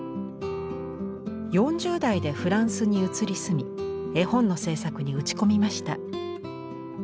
４０代でフランスに移り住み絵本の制作に打ち込みました。